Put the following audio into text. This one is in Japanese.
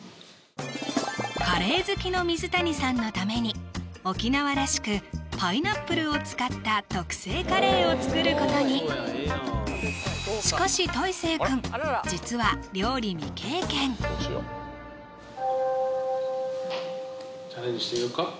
カレー好きの水谷さんのために沖縄らしくパイナップルを使った特製カレーを作ることにしかし実はチャレンジしてみようか？